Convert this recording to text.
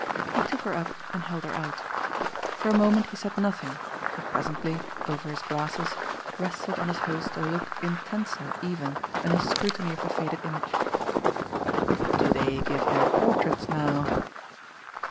He took her up and held her out; for a moment he said nothing, but presently, over his glasses, rested on his host a look intenser even than his scrutiny of the faded image. "Do they give their portraits now?"